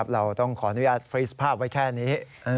เราต้องขออนุญาตฟรีสภาพไว้แค่นี้